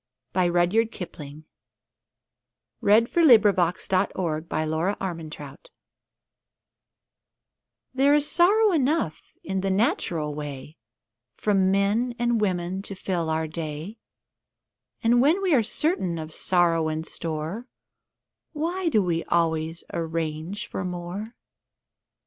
Amen. Rudyard Kipling The Power of the Dog THERE is sorrow enough in the natural way From men and women to fill our day; And when we are certain of sorrow in store, Why do we always arrange for more?